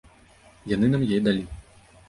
Яны нам яе далі.